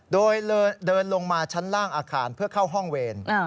โดยเดินลงมาชั้นล่างอาคารเพื่อเข้าห้องเวร